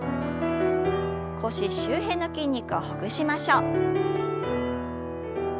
腰周辺の筋肉をほぐしましょう。